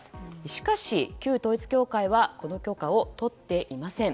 しかし旧統一教会はこの許可を取っていません。